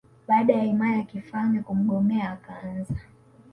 baada ya himaya ya kifalme kumgomea akaanza